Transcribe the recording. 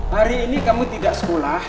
hari ini kami tidak sekolah